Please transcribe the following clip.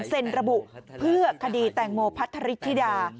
เซ็นระบุเพื่อคดีแตงโมพัทธริธิดา